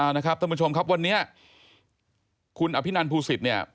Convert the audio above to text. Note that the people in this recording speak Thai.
ท่านผู้ชมครับวันนี้คุณอภินันภูศิษย์เนี่ย